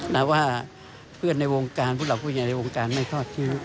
นะว่าเพื่อนในวงการผู้หลักผู้ใหญ่ในวงการไม่ทอดทิ้ง